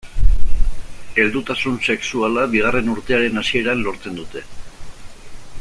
Heldutasun sexuala bigarren urtearen hasieran lortzen dute.